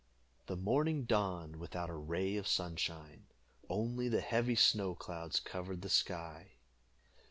The morning dawned without a ray of sunshine. Only the heavy snow clouds covered the sky.